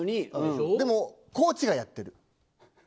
でもコーチがやってる。